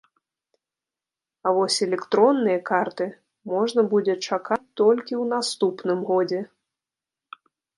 А вось электронныя карты можна будзе чакаць толькі ў наступным годзе.